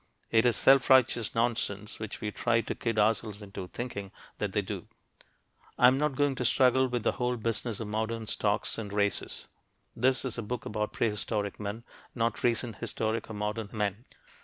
It is self righteous nonsense when we try to kid ourselves into thinking that they do. I am not going to struggle with the whole business of modern stocks and races. This is a book about prehistoric men, not recent historic or modern men.